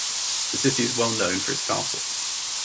The city is well known for its castle.